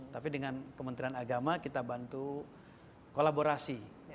tapi dengan kementerian agama kita bantu kolaborasi